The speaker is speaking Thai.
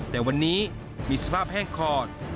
แต่วันนี้มีสภาพแห้งคอด